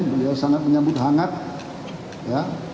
beliau sangat menyambut hangat ya